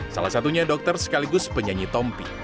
salah satunya dokter sekaligus penyanyi tompi